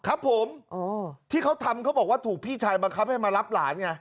ครับผมที่เขาทำเขาบอกว่าถูกพี่ชายบังคับให้มารับหลานไง